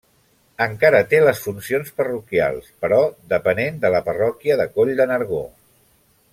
Encara té les funcions parroquials però depenent de la parròquia de Coll de Nargó.